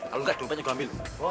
kalau enggak duitnya gue ambil